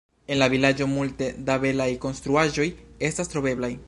En la vilaĝo multe da belaj konstruaĵoj estas troveblaj.